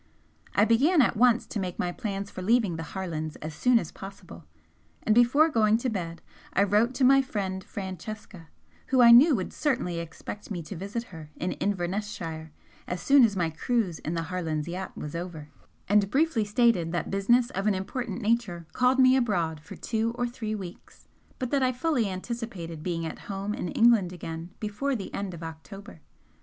I began at once to make my plans for leaving the Harlands as soon as possible, and before going to bed I wrote to my friend Francesca, who I knew would certainly expect me to visit her in Inverness shire as soon as my cruise in the Harlands' yacht was over, and briefly stated that business of an important nature called me abroad for two or three weeks, but that I fully anticipated being at home in England again before the end of October.